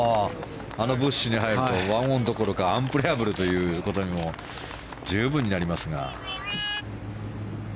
あのブッシュに入ると１オンどころかアンプレヤブルということにも十分になりますが。